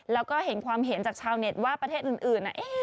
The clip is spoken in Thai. แล้วก็เห็นความเห็นจากชาวเน็ตว่าประเทศอื่น